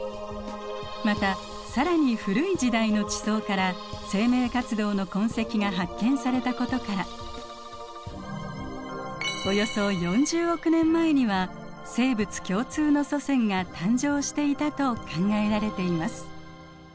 また更に古い時代の地層から生命活動の痕跡が発見されたことからおよそ４０億年前には生物共通の祖先が誕生していたと考えられています。